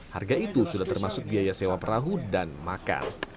harga itu sudah termasuk biaya sewa perahu dan makan